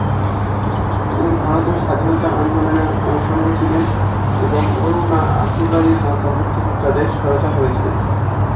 তিনি ভারতের স্বাধীনতা আন্দোলনে অংশ নিয়েছিলেন, এবং অরুণা আসফ আলীর মতো মুক্তিযোদ্ধাদের সহায়তা করেছিলেন।